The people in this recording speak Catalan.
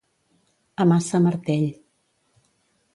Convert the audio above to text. A maça martell.